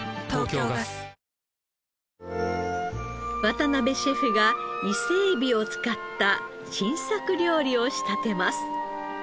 渡辺シェフが伊勢エビを使った新作料理を仕立てます。